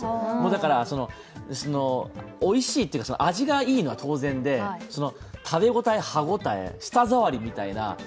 だから、おいしいというか、味がいいのは当然で食べ応え、歯応え、舌触りみたいな。